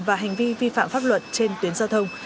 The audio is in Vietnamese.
và hành vi vi phạm pháp luật trên tuyến giao thông